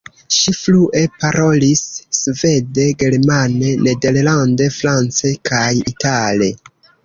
Ŝi flue parolis svede, germane, nederlande, france kaj itale.